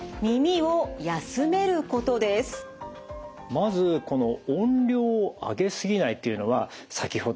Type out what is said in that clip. まずこの「音量を上げすぎない」というのは先ほど出てきました